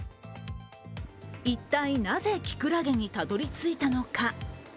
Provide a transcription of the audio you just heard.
一体なぜきくらげにたどり着いたのか。